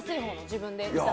自分で。